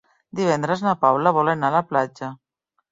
Divendres na Paula vol anar a la platja.